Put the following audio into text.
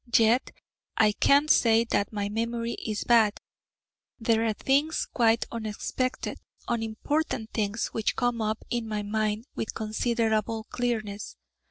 Yet I can't say that my memory is bad: there are things quite unexpected, unimportant things which come up in my mind with considerable clearness.